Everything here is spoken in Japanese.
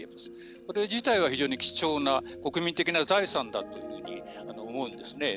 それ自体は非常に貴重な国民的な財産だというふうに思うんですね。